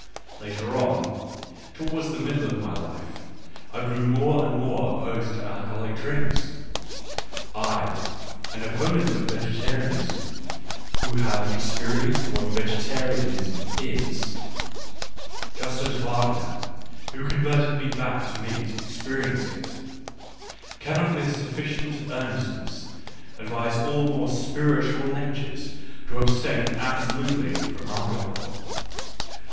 Later on, towards the middle of my life, I grew more and more op posed to alcoholic drinks : I, an opponent of vege tarianism, who have experienced what vegetarian ism is, — just as Wagner, who converted me back to meat, experienced it, — cannot with sufficient earnestness advise all more spiritual natures to ab ~ stain absolutely from alcohol.